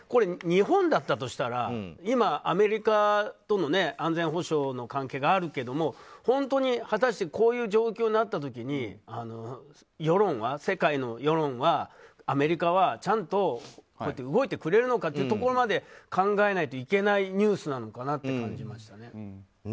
日本だったとしたら今、アメリカとの安全保障の関係があるけれども本当に果たしてこういう状況になった時に世界の世論はアメリカはちゃんと動いてくれるのかっていうところまで考えないといけないニュースなのかなと思いましたね。